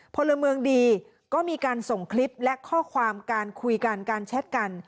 พลเมืองดีก็มีการส่งคลิปและข้อความการคุยกันการแชทกัน